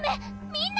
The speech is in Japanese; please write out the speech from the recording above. みんな！